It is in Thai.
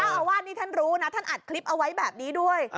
อาวาสนี่ท่านรู้นะท่านอัดคลิปเอาไว้แบบนี้ด้วย